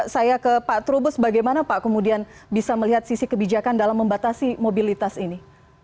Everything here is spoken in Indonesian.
saya ke pak trubus bagaimana pak kemudian bisa melihat sisi kebijakan dalam membatasi mobilitas ini